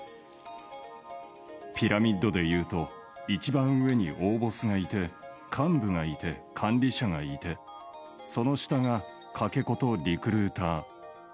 ピラミッドでいうと、一番上に大ボスがいて、幹部がいて、管理者がいて、その下がかけ子とリクルーター。